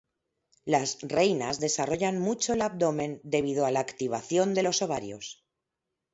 Las reinas desarrollan mucho el abdomen debido a la activación de los ovarios.